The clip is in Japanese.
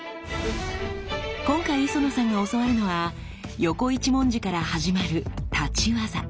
今回磯野さんが教わるのは横一文字から始まる立業。